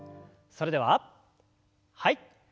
それでははい。